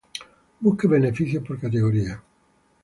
Busque beneficios por categoría